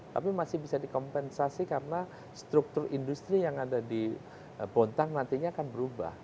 tapi masih bisa dikompensasi karena struktur industri yang ada di bontang nantinya akan berubah